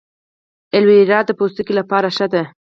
ایلوویرا د پوستکي لپاره ښه ده